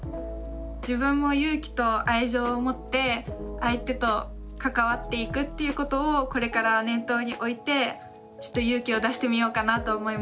自分も勇気と愛情を持って相手と関わっていくっていうことをこれから念頭に置いて勇気を出してみようかなと思いました。